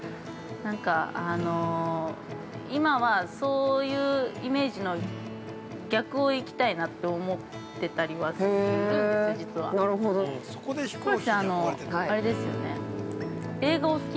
なんか、今はそういうイメージの逆を行きたいなと思ってたりはするんですよ、実は。